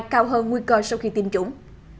cao hơn nguy cơ sau khi tiêm chủng